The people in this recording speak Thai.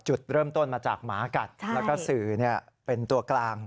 จุดเริ่มต้นมาจากหมากัดแล้วก็สื่อเป็นตัวกลาง